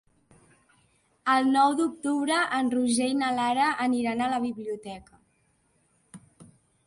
El nou d'octubre en Roger i na Lara aniran a la biblioteca.